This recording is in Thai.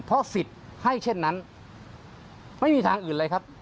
เพราะสิทธิ์ให้เช่นนั้นไม่มีทางอื่นเลยครับ